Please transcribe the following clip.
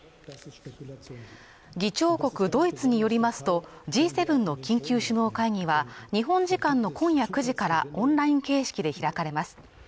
議長国ドイツによりますとＧ７の緊急首脳会議は日本時間の今夜９時からオンライン形式で開かれます